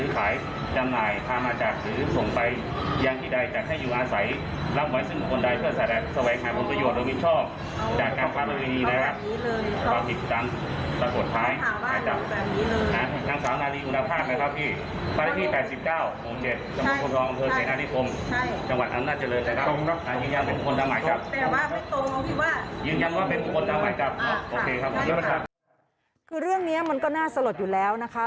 คือเรื่องนี้มันก็น่าสลดอยู่แล้วนะคะ